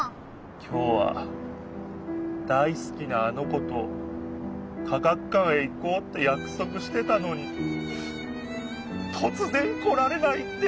きょうは大すきなあの子と科学館へ行こうってやくそくしてたのにとつぜん来られないって。